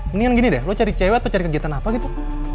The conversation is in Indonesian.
mendingan gini deh lo cari cewek atau cari kegiatan apa gitu